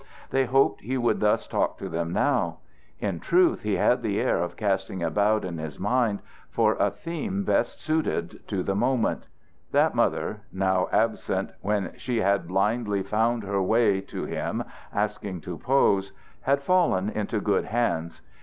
They hoped he would thus talk to them now; in truth he had the air of casting about in his mind for a theme best suited to the moment. That mother, now absent, when she had blindly found her way to him, asking to pose, had fallen into good hands.